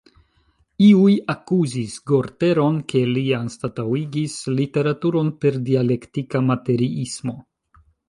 Iuj akuzis Gorter-on, ke li anstataŭigis literaturon per dialektika materiismo.